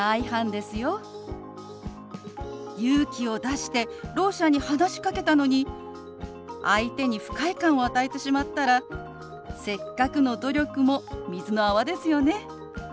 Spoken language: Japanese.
勇気を出してろう者に話しかけたのに相手に不快感を与えてしまったらせっかくの努力も水の泡ですよね。